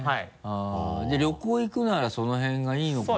じゃあ旅行行くならその辺がいいのかな？